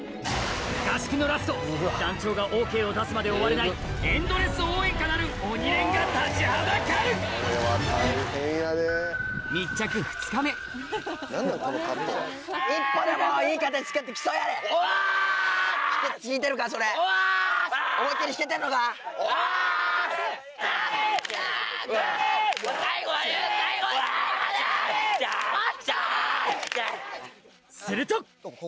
合宿のラスト団長がＯＫを出すまで終われないエンドレス応援歌なる鬼練が立ちはだかるすると！